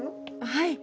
はい。